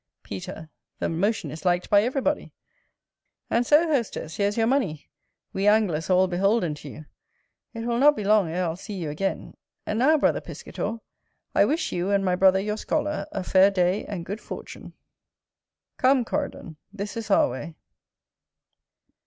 Peter. The motion is liked by everybody, and so, hostess, here's your money: we anglers are all beholden to you; it will not be long ere I'll see you again; and now, brother Piscator, I wish you, and my brother your scholar, a fair day and good fortune. Come, Coridon, this is our way.